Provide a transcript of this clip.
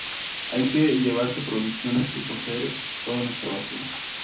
Hay que llevarse provisiones y recoger toda nuestra basura.